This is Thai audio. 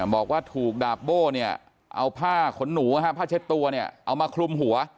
บอกว่าถูกดาบโบ้เนี่ยเอาผ้าขนหนูผ้าเช็ดตัวเนี่ยเอามาคลุมหัว